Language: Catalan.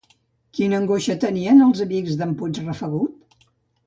Quina angoixa tenien els amics d'En Puigrafegut?